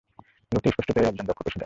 লোকটা স্পষ্টতই একজন দক্ষ পেশাদার।